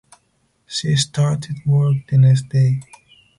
She started work the next day.